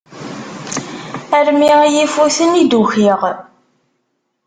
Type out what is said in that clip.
Armi i yi-ifuten i d-ukiɣ.